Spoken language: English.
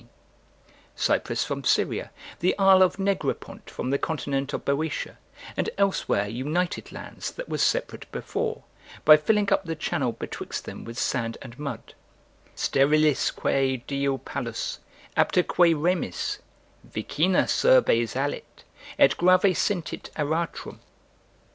] Cyprus from Syria, the isle of Negropont from the continent of Beeotia, and elsewhere united lands that were separate before, by filling up the channel betwixt them with sand and mud: "Sterilisque diu palus, aptaque remis, Vicinas urbes alit, et grave sentit aratrum."